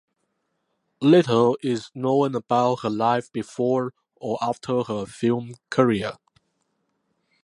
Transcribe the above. Little is known about her life before or after her film career.